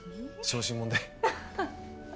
小心者で。